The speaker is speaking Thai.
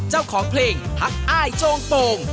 เจ้าของเพลงภักอายจงต่วง